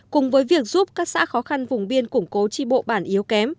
cùng với việc giúp các xã khó khăn vùng biên củng cố tri bộ bản yếu kém